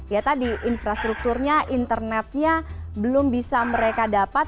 ya tadi infrastrukturnya internetnya belum bisa mereka dapat